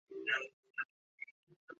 当地有三所中学。